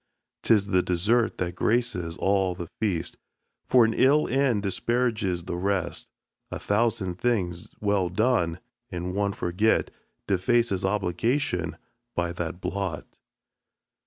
'Tis the dessert that graces all the feast, For an ill end disparages the rest. A thousand things well done, and one forgot, Defaces obligation by that blot.